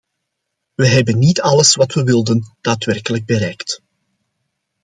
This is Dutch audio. We hebben niet alles wat we wilden daadwerkelijk bereikt.